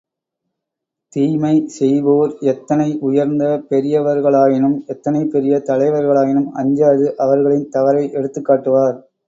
தீமை செய்வோர் எத்தனை உயர்ந்த பெரியவர்களாயினும், எத்தனை பெரிய தலைவர்களாயினும், அஞ்சாது, அவர்களின் தவறை எடுத்துக் காட்டுவார்.